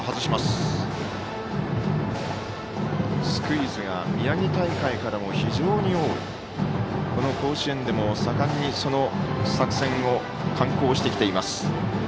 スクイズが宮城大会からも非常に多く、甲子園でも盛んにその作戦を敢行してきています。